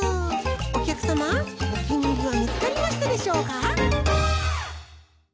おきゃくさまおきにいりはみつかりましたでしょうか？